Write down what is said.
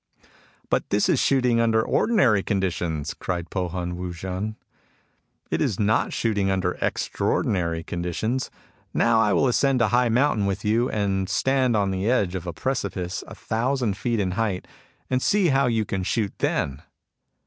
" But this is shooting under ordinary con ditions," cried Po Htin Wu J6n ;" it is not shooting under extraordinary conditions. Now I will ascend a high mountain with you, and stand on the edge of a precipice a thousand feet in height, and see how you can shoot then."